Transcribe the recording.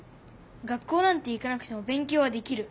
学校なんて行かなくてもべんきょうはできる。